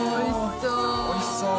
おいしそう。